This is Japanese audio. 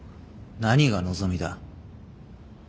何が望みだ。